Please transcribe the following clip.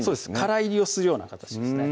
からいりをするような形ですね